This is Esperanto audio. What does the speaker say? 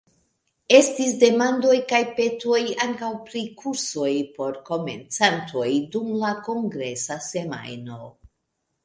Estis demandoj kaj petoj ankaŭ pri kursoj por komencantoj dum la kongresa semajno.